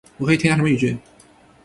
我可以添加什么语句？